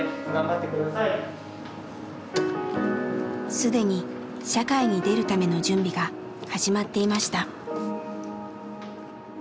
既に社会に出るための準備が始まっていました。